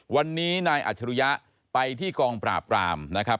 วันนี้นายอัจฉริยะไปที่กองปราบรามนะครับ